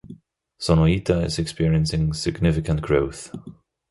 Sonoita is experiencing significant growth.